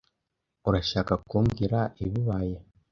Urashaka kumbwira ibibaye?